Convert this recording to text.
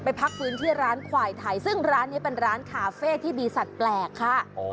พักฟื้นที่ร้านควายไทยซึ่งร้านนี้เป็นร้านคาเฟ่ที่มีสัตว์แปลกค่ะ